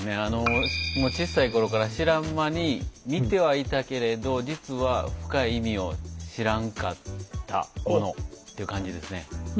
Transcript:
もうちっさい頃から知らん間に見てはいたけれど実は深い意味を知らんかったものっていう感じですね。